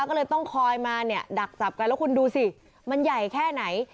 ก็เลยต้องคอยมาเนี่ยดักจับกันแล้วคุณดูสิมันใหญ่แค่ไหน